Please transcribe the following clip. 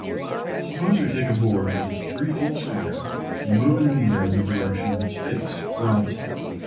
Suppose we take a board that is three feet square and move it in the air in the direction of its face or broadside.